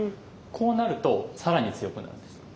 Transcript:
こうなると更に強くなるんです。